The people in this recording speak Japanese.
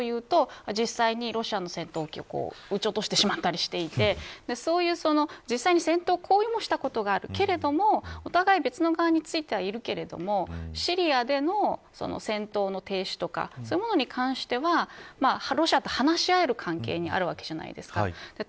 かといって蜜月かというと実際にロシアの戦闘機を撃ち落としてしまったりしていてそういう実際に戦闘行為をしたことがあるけれども、お互い別の側についてはいるけれどもシリアでの戦闘の停止とかそういうものに関してはロシアと話し合える関係にあるわけじゃないですか。